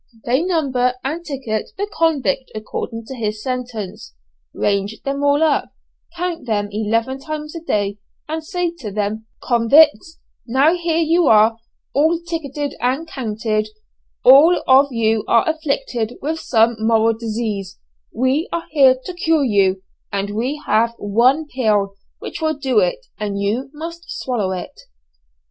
They number and ticket the convict according to his sentence, range them all up, count them eleven times a day and say to them, "Convicts, now here you are, all ticketed and counted, all of you are afflicted with some moral disease, we are here to cure you, and we have one pill which will do it, and you must swallow it."